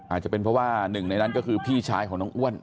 อาจจะเป็นเพราะว่าหนึ่งในนั้นก็คือพี่ชายของน้องอ้วน